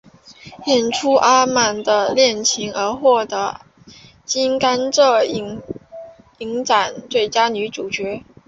演出阿满的恋情而获得金甘蔗影展最佳女主角。